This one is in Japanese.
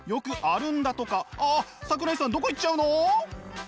あっ桜井さんどこ行っちゃうの？